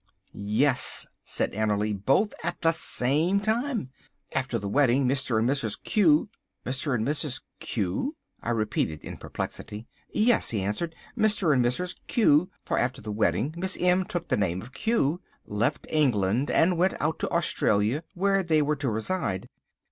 "Yes," said Annerly, "both at the same time. After the wedding Mr. and Mrs. Q——" "Mr. and Mrs. Q," I repeated in perplexity. "Yes," he answered, "Mr. and Mrs. Q— for after the wedding Miss M. took the name of Q— left England and went out to Australia, where they were to reside."